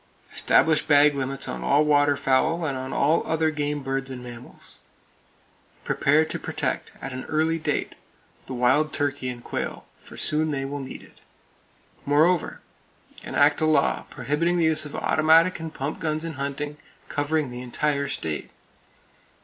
Establish bag limits on all waterfowl, and on all other game birds and mammals. [Page 293] Prepare to protect, at an early date, the wild turkey and quail; for soon they will need it. Moreover, enact a law prohibiting the use of automatic and pump guns in hunting, covering the entire state.